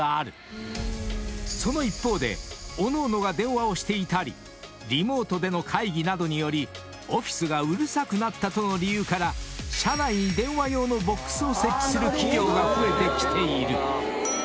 ［その一方でおのおのが電話をしていたりリモートでの会議などによりオフィスがうるさくなったとの理由から社内に電話用のボックスを設置する企業が増えてきている］